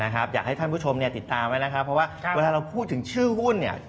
อยากให้ท่านผู้ชมติดตามไว้นะครับเพราะว่าเวลาเราพูดถึงชื่อหุ้นเนี่ย